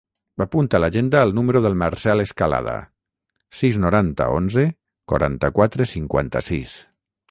Apunta a l'agenda el número del Marcel Escalada: sis, noranta, onze, quaranta-quatre, cinquanta-sis.